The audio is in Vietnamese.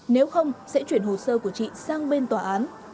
nếu không sẽ chuyển hồ sơ của chị sang bên tòa án